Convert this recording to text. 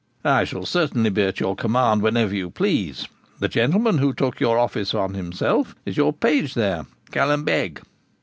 'I shall certainly be at your command whenever you please; the gentleman who took your office upon himself is your page there, Callum Beg.'